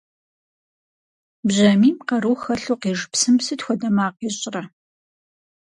Бжьамийм къару хэлъу къиж псым сыт хуэдэ макъ ищӀрэ?